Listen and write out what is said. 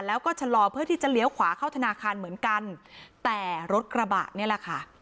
แล้วก็ชะลอเพื่อที่จะเลี้ยวขวาเข้าธนาคารเหมือนกันแต่รถกระบะนี่แหละค่ะ